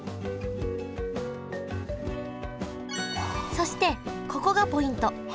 そしてここがポイント。